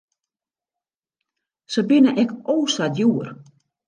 Se binne ek o sa djoer.